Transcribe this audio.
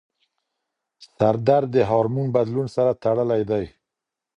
سردرد د هارمون بدلون سره تړلی دی.